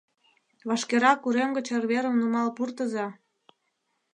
— Вашкерак урем гыч арверым нумал пуртыза.